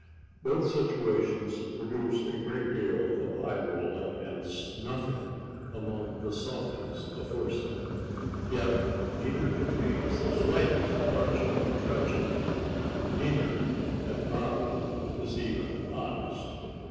Both situations produce a great deal of eye rolling and snuffing among the softies aforesaid. Yet neither contains the slightest touch of tragedy, and neither at bottom is even honest.